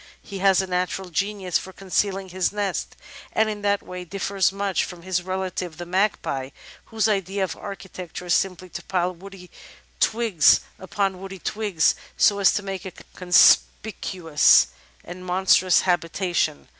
He has a natural genius for concealing his nest, and in that way differs very much from his relative, the Magpie, whose idea of architecture is simply to pile woody twigs upon woody twigs, so as to make a conspicuous and monstrous habitation.